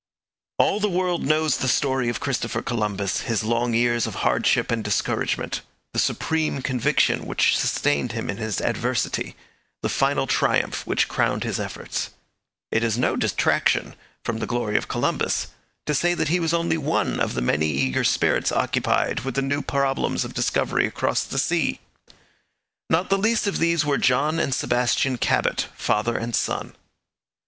All the world knows the story of Christopher Columbus, his long years of hardship and discouragement; the supreme conviction which sustained him in his adversity; the final triumph which crowned his efforts. It is no detraction from the glory of Columbus to say that he was only one of many eager spirits occupied with new problems of discovery across the sea. Not the least of these were John and Sebastian Cabot, father and son.